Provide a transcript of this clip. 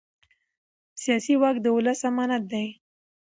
سیاسي واک د ولس امانت دی